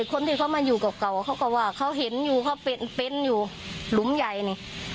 คนที่เขามาอยู่เก่าเขาก็ว่าเขาเห็นอยู่เขาเป็นอยู่หลุมใหญ่นี่